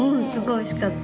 おいしかった。